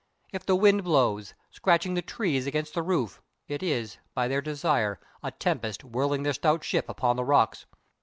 If the wind blows, scratching the trees against the roof, it is, by their desire, a tempest whirling their stout ship upon the rocks.